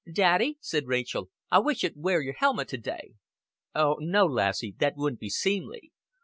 "Daddy," said Rachel, "I wis' you'd wear your helmet to day." "Oh, no, lassie, that wouldn't be seemly.